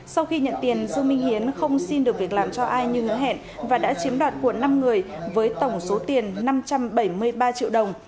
sau khi nhận tiền dương minh hiến không xin được việc làm cho ai như hứa hẹn và đã chiếm đoạt của năm người với tổng số tiền năm trăm bảy mươi ba triệu đồng